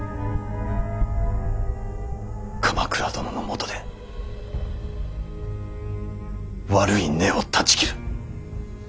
鎌倉殿のもとで悪い根を断ち切る。